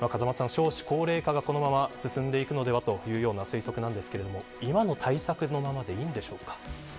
少子高齢化がこのまま進んでいくのではという推測なんですけれども今の対策のままでいいのでしょうか。